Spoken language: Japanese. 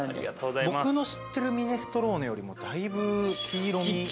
僕の知ってるミネストローネよりもだいぶ黄色み。